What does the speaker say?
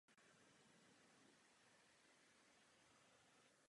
V tomtéž roce získal též titul mistra světa.